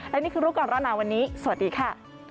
และนี่คือรู้ก่อนร้อนหนาวันนี้สวัสดีค่ะ